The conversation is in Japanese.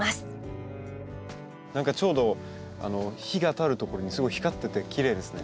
何かちょうど日が当たる所にすごい光っててきれいですね。